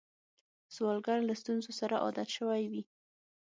سوالګر له ستونزو سره عادت شوی وي